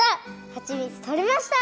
はちみつとれました！